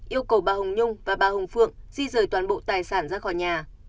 yêu cầu bà hồng nhung và bà hồng phượng di rời toàn bộ tài sản ra khỏi nhà